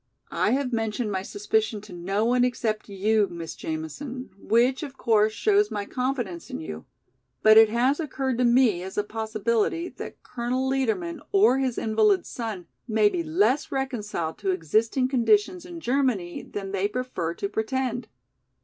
I have mentioned my suspicion to no one except you, Miss Jamison, which of course shows my confidence in you, but it has occurred to me as a possibility that Colonel Liedermann, or his invalid son, may be less reconciled to existing conditions in Germany than they prefer to pretend.